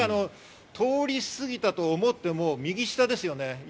通り過ぎたと思っても右下ですよね。